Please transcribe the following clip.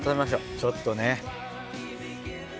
ちょっとね。